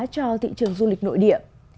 cho thị trường du lịch nội địa